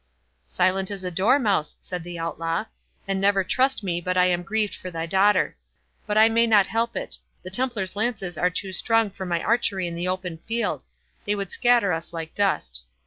"Silent as a dormouse," said the Outlaw; "and never trust me but I am grieved for thy daughter. But I may not help it—The Templars lances are too strong for my archery in the open field—they would scatter us like dust.